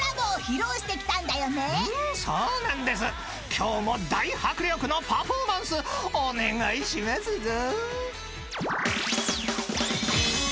［今日も大迫力のパフォーマンスお願いしますぞ］